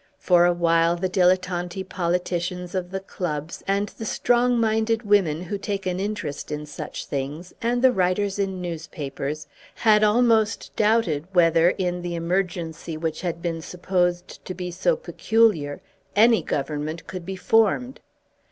For a while the dilettanti politicians of the clubs, and the strong minded women who take an interest in such things, and the writers in newspapers, had almost doubted whether, in the emergency which had been supposed to be so peculiar, any Government could be formed.